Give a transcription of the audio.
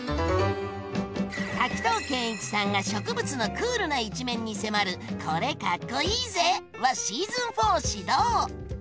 滝藤賢一さんが植物のクールな一面に迫る「これ、かっこイイぜ！」はシーズン４始動！